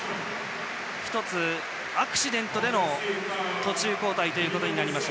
１つ、アクシデントでの途中交代となりました。